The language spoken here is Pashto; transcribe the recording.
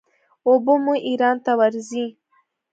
اوبه مو ایران ته ورځي.